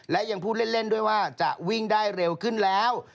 และยังพูดเล่นด้วยว่าจะวิ่งได้เร็วขึ้นแล้ว